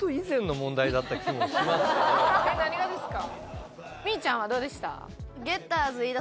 えっ？何がですか？